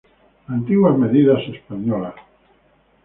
Antiguas medidas españolas